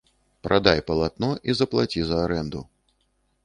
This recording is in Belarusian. Прадай палатно і заплаці за арэнду.